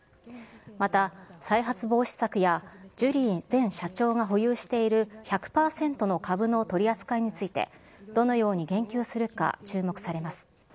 また再発防止策や、ジュリー前社長が保有している１００％の株の取り扱いについて、どのように言及するか、注目されます。